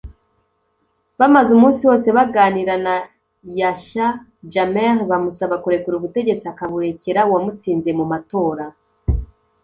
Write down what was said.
bamaze umunsi wose baganira na Yahya Jammeh bamusaba kurekura ubutegetsi akaburekera uwamutsinze mu matora